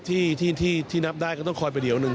ที่ที่นับได้ก็ต้องคอยประเดี๋ยวหนึ่ง